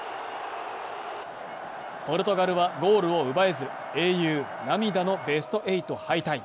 ポルトガルはゴールを奪えず英雄、涙のベスト８敗退。